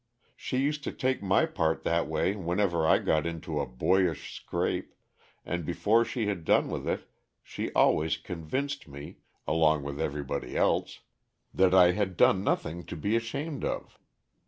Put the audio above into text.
She used to take my part that way whenever I got into a boyish scrape, and before she had done with it she always convinced me, along with everybody else, that I had done nothing to be ashamed of.